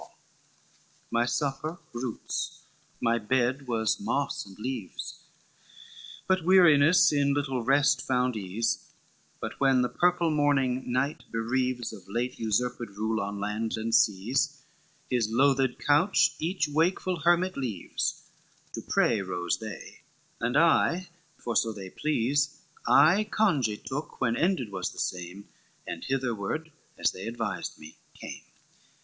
XLII "My supper roots; my bed was moss and leaves; But weariness in little rest found ease: But when the purple morning night bereaves Of late usurped rule on lands and seas, His loathed couch each wakeful hermit leaves, To pray rose they, and I, for so they please, I congee took when ended was the same, And hitherward, as they advised me, came."